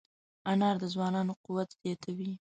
انار د ځوانانو قوت زیاتوي.